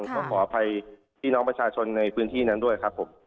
ก็ขออภัยพี่น้องประชาชนในพื้นที่นั้นด้วยครับผม